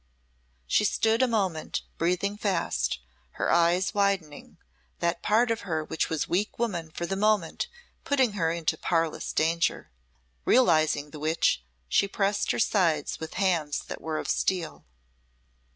She stood a moment, breathing fast, her eyes widening, that part of her which was weak woman for the moment putting her in parlous danger, realising the which she pressed her sides with hands that were of steel.